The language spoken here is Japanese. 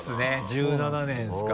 １７年ですか。